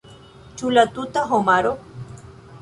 Ĉu la tuta homaro?